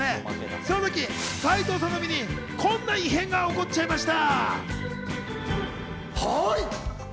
その時、斉藤さんの身にこんな異変が起こっちゃいました。